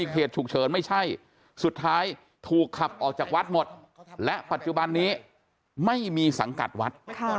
เหตุฉุกเฉินไม่ใช่สุดท้ายถูกขับออกจากวัดหมดและปัจจุบันนี้ไม่มีสังกัดวัด